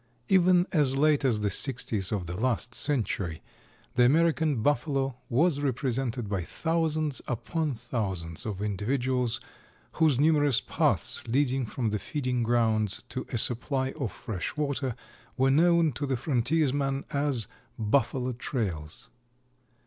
Even as late as the sixties of the last century the American Buffalo was represented by thousands upon thousands of individuals, whose numerous paths leading from the feeding grounds to a supply of fresh water were known to the frontiersman as "Buffalo trails."